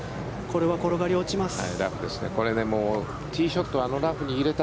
これは転がり落ちます。